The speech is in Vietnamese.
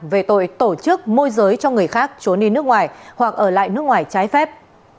về tội tổ chức môi giới cho người khác trốn đi nước ngoài hoặc ở lại nước ngoài trái phép